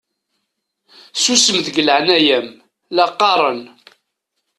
Susem deg leɛnaya-m la qqaṛen!